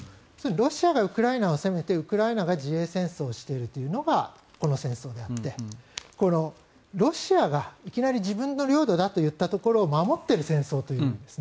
ロシアがウクライナを攻めてウクライナが自衛戦争しているというのがこの戦争であってロシアがいきなり自分の領土だと言っているところを守っている戦争というわけです。